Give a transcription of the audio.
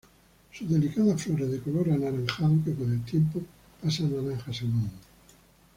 Sus delicadas flores de color anaranjado, que con el tiempo pasa a naranja salmón.